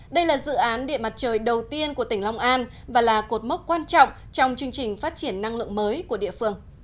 đây là dự án điện mặt trời đầu tiên của tỉnh long an và là cột mốc quan trọng trong chương trình phát triển năng lượng mới của địa phương